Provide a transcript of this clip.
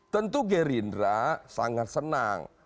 tentu gerindra sangat senang